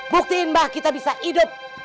buktiin mbah kita bisa hidup